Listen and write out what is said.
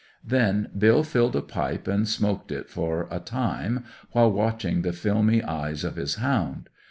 Then Bill filled a pipe and smoked it for a time, while watching the filmy eyes of his hound.